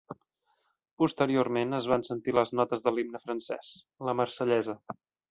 Posteriorment es van sentir les notes de l’himne francès, La Marsellesa.